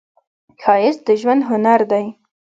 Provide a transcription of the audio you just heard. ښایست د ژوند هنر دی